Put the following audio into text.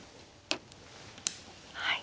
はい。